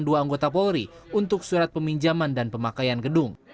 dua anggota polri untuk surat peminjaman dan pemakaian gedung